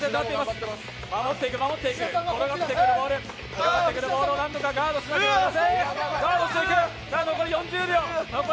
転がってくるボールをなんとかガードしなければなりません。